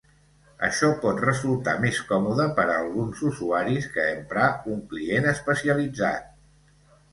Això pot resultar més còmode per a alguns usuaris que emprar un client especialitzat.